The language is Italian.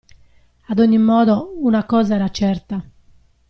Ad ogni modo, una cosa era certa.